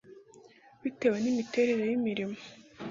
bitewe n imiterere y imirimo